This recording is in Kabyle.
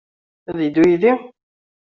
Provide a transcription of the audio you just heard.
Ad yeddu yid-i?